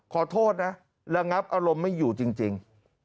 ขอโทษนะระงับอารมณ์ไม่อยู่จริง